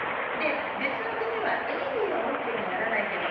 別の国はＡ、ＢはＯＫにならないけど